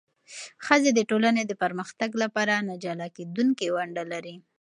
ښځې د ټولنې د پرمختګ لپاره نه جلا کېدونکې ونډه لري.